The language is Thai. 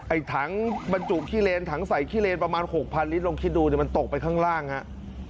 ไอ้ถังบรรจุขี้เลนถังใส่ขี้เลนประมาณ๖๐๐ลิตรลองคิดดูมันตกไปข้างล่างฮะ